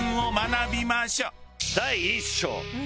第１章。